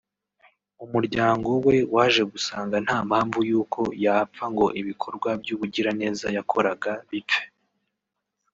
umuryango we waje gusanga nta mpamvu y’uko yapfa ngo n’ibikorwa by’ubugiraneza yakoraga bipfe